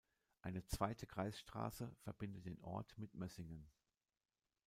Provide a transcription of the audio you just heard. Eine zweite Kreisstraße verbindet den Ort mit Mössingen.